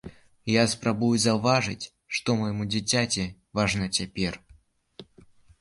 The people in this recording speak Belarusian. Я спрабую заўважаць, што майму дзіцяці важна цяпер.